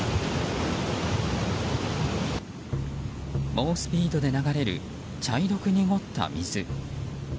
猛スピードで流れる茶色く濁った水。